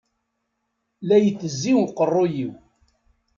La ittezzi uqerruy-iw.